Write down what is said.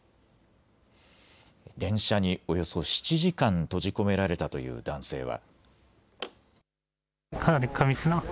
電車におよそ７時間閉じ込められたという男性は。